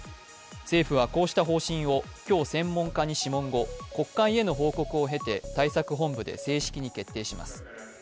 政府はこうした方針を今日、専門家に諮問後、国会への報告を経て対策本部で正式に決定します。